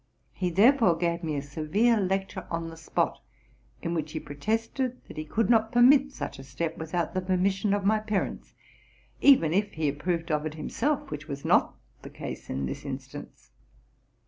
He therefore gaye me a 504 TRUTH AND FICTION severe lecture on the spot, in which he protested that he could not permit such a step without the permission of my parents, even if he approved of it himself, which was not the case in this instance.